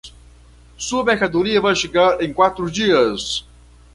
Sua mercadoria vai chegar em quatro dias.